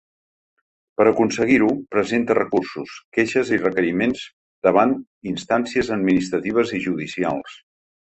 Per aconseguir-ho, presenta recursos, queixes i requeriments davant instàncies administratives i judicials.